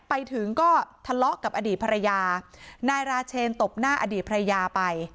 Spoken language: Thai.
ไปถึงก็ทะเลาะกับอดีตภรรยานายราเชนตบหน้าอดีตภรรยาไป